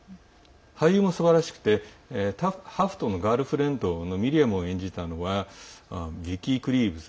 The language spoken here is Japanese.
俳優もすばらしくてハフトのガールフレンドのミリアムを演じたのはヴィッキー・クリープス。